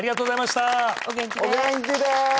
お元気で。